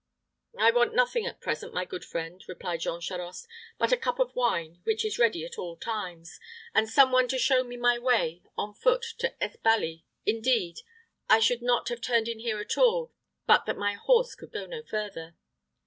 "I want nothing at present, my good friend," replied Jean Charost, "but a cup of wine, which is ready at all times, and some one to show me my way on foot to Espaly. Indeed, I should not have turned in here at all, but that my horse could go no further."